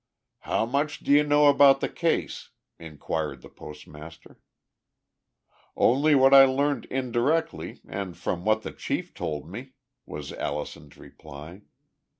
"How much do you know about the case?" inquired the postmaster. "Only what I learned indirectly and from what the chief told me," was Allison's reply.